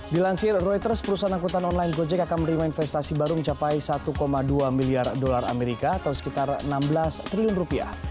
dilansir reuters perusahaan angkutan online gojek akan menerima investasi baru mencapai satu dua miliar dolar amerika atau sekitar enam belas triliun rupiah